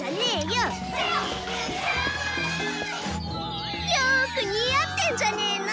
よく似合ってんじゃねーの。